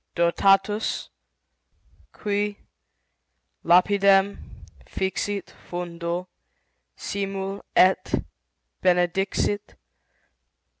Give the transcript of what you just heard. DOTATUS . QUI . LAPIDEM . FIXIT . FUNDO . SIMUL . ET . BENEDIXIT